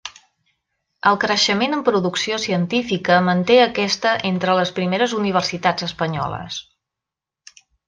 El creixement en producció científica manté a aquesta entre les primeres universitats espanyoles.